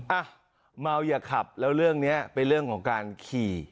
อ่ะเมาอย่าขับแล้วเรื่องนี้เป็นเรื่องของการขี่